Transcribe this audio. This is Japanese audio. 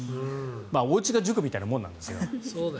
おうちが塾みたいなもんなんですが。